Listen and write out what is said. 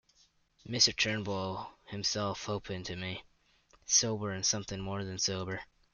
Mr Turnbull himself opened to me—sober and something more than sober.